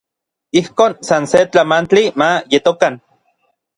Ijkon san se tlamantli ma yetokan.